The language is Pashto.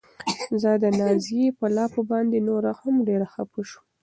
زه د نازيې په لافو باندې نوره هم ډېره خپه شوم.